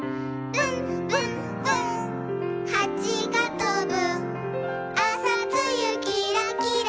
「ぶんぶんぶんはちがとぶ」